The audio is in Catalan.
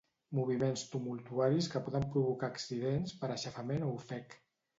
Moviments tumultuaris que poden provocar accidents per aixafament o ofec.